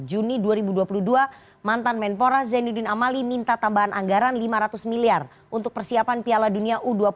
juni dua ribu dua puluh dua mantan menpora zainuddin amali minta tambahan anggaran lima ratus miliar untuk persiapan piala dunia u dua puluh